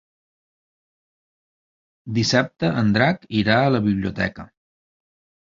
Dissabte en Drac irà a la biblioteca.